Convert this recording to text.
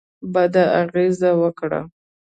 بده اغېزه وکړه.